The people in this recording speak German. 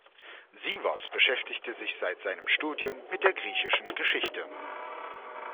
Sievers beschäftigte sich seit seinem Studium mit der griechischen Geschichte.